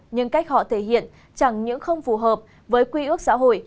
nhưng cách họ thể hiện chẳng những không phù hợp với quy ước xã hội